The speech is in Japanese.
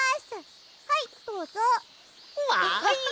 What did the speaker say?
わい！